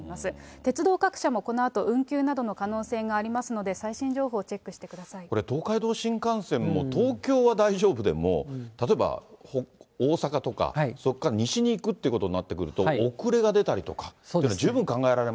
鉄道各社もこのあと運休などの可能性がありますので、これ、東海道新幹線も東京は大丈夫でも、例えば大阪とか、そこから西に行くということになってくると、遅れが出たりとか、はい。